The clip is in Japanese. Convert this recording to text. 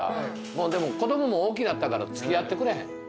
もうでも子供も大きなったから付き合ってくれへん。